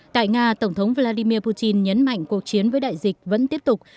tại nga tổng thống vladimir putin nhấn mạnh cuộc chiến với đại dịch vẫn tiếp tục